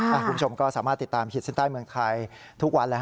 คุณผู้ชมก็สามารถติดตามขีดเส้นใต้เมืองไทยทุกวันเลยฮ